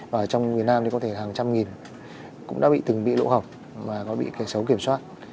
và trong việt nam có thể hàng trăm nghìn cũng đã bị từng bị lỗ hỏng và bị kẻ xấu kiểm soát